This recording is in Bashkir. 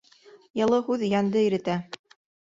Йылы һүҙ йәнде иретә.